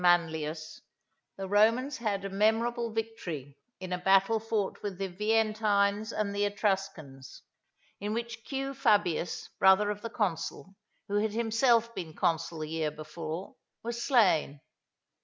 Manlius, the Romans had a memorable victory in a battle fought with the Veientines and the Etruscans, in which Q. Fabius, brother of the consul, who had himself been consul the year before, was slain.